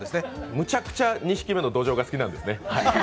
むちゃくちゃ二匹目のどじょうが好きなんですね。